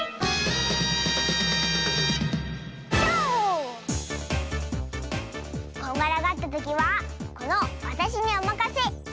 とう！こんがらがったときはこのわたしにおまかせ。